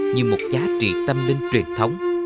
như một giá trị tâm linh truyền thống